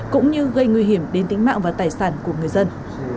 cũng như gây nguy hiểm đến tính mạng và tài sản của người dân